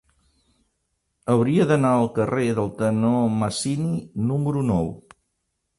Hauria d'anar al carrer del Tenor Masini número nou.